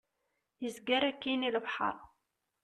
Izger akkin i lebḥer.